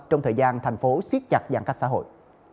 trong thời gian thành phố siết chặt giãn cách xã hội